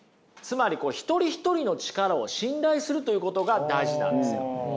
つまり一人一人の力を信頼するということが大事なんですよ。